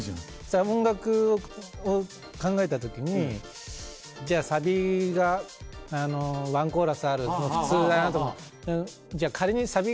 音楽を考えた時にじゃあサビがワンコーラスあるの普通だなと。